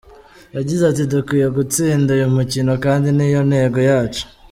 Yagize ati “Dukwiye gutsinda uyu mukino kandi ni yo ntego yacu.